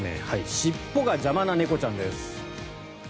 尻尾が邪魔な猫ちゃんです。